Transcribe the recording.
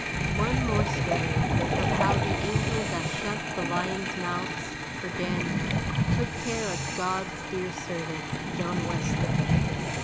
ONE more story of how the angel that shut the lions' mouths for Daniel took care of God's dear servant, John Wesley.